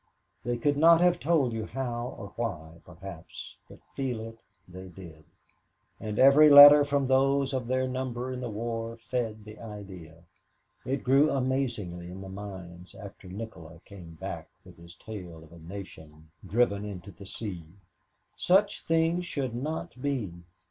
They could not have told you how or why, perhaps, but feel it they did; and every letter from those of their number in the war fed the idea. It grew amazingly in the mines after Nikola came back with his tale of a nation driven into the sea. Such things should not be.